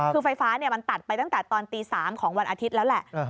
คือไฟฟ้ามันตัดไปตั้งแต่ตอนตี๓ของวันอาทิตย์แล้วแหละ